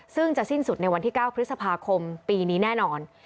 ซึ่งจะสิ้นสุดในวันที่๙พฤษภาคมปีนี้แน่นอน